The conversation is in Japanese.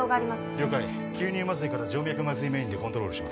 了解吸入麻酔から静脈麻酔メインでコントロールします